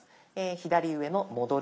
左上の「戻る」